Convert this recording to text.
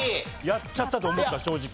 やっちゃったと思った正直。